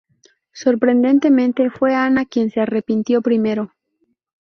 Sorprendentemente, fue Ana quien se arrepintió primero.